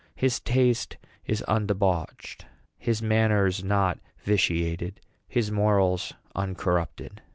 His taste is undebauched, his manners not vitiated, his morals uncorrupted.